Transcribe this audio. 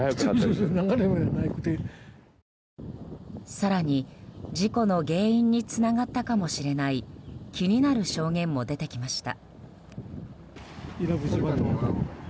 更に、事故の原因につながったかもしれない気になる証言も出てきました。